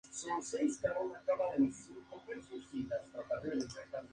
Masato Sasaki